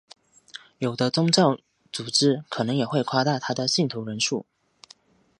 有的宗教组织可能也会夸大他们的信徒人数。